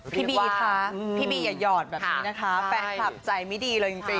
พี่บีคะพี่บีอย่าหยอดแบบนี้นะคะแฟนคลับใจไม่ดีเลยจริง